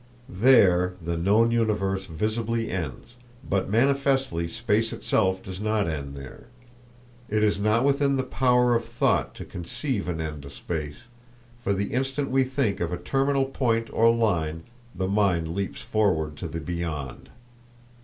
There the known universe visibly ends, but manifestly space itself does not end there. It is not within the power of thought to conceive an end to space, for the instant we think of a terminal point or line the mind leaps forward to the _beyond.